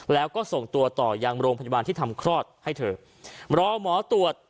แล้วก็ส่งตัวต่อยังโรงพยาบาลที่ทำคลอดให้เธอรอหมอตรวจ